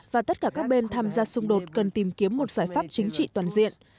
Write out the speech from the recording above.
và tất cả các bên tham gia xung đột cần tìm kiếm một giải pháp chính trị toàn diện